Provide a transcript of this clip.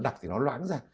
nó đặt thì nó loãng ra